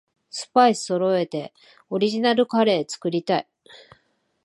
スパイスそろえてオリジナルカレー作りたい